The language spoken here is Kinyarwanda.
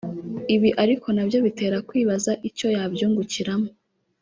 Ibi ariko nabyo bitera kwibaza icyo yabyungukiramo